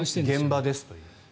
現場ですという。